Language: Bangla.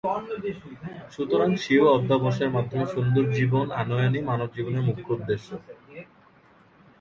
সুতরাং স্বীয় অধ্যবসায়ের মাধ্যমে সুন্দর জীবন আনয়নই মানবজীবনের মূখ্য উদ্দেশ্য।